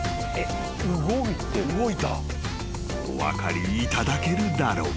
［お分かりいただけるだろうか？］